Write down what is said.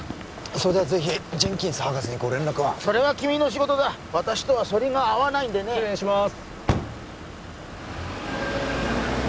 それではぜひジェンキンス博士にご連絡をそれは君の仕事だ私とはそりが合わないんでね失礼します